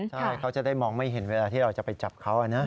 ใช่เขาจะได้มองไม่เห็นเวลาที่เราจะไปจับเขานะ